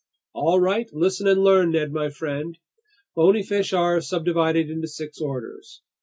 "All right, listen and learn, Ned my friend! Bony fish are subdivided into six orders.